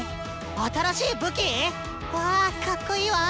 新しい武器⁉わぁかっこいいわ！